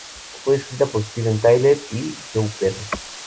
Fue escrita por Steven Tyler y Joe Perry.